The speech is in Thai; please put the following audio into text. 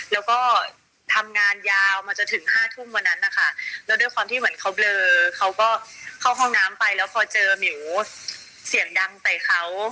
แล้วก็ทำงานยาวมาจนถึงห้าทุ่มวันนั้นนะคะแล้วด้วยความที่เหมือนเขาเบลอเขาก็เข้าห้องน้ำไปแล้วพอเจอหมิวเสียงดังใส่เขา